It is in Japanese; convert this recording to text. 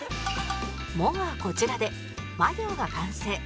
「も」はこちらでま行が完成